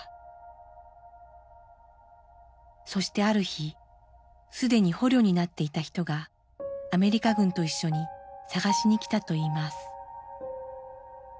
そしてある日既に捕虜になっていた人がアメリカ軍と一緒に捜しに来たといいます。